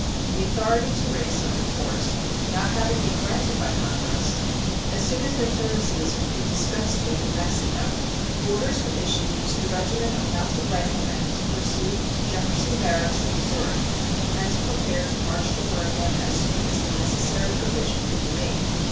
The authority to raise such a force not having been granted by Congress, as soon as their services could be dispensed with in Mexico orders were issued to the regiment of mounted riflemen to proceed to Jefferson Barracks, in Missouri, and to prepare to march to Oregon as soon as the necessary provision could be made.